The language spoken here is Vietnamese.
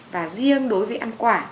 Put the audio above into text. và riêng đối với ăn quả